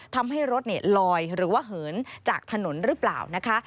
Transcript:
ทำให้รถลอยหรือว่าเหินจากถนนหรือเปล่านะคะ